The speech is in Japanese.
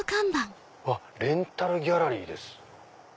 レンタルギャラリーです。